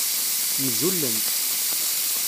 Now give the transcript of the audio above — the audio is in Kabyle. Mzulent.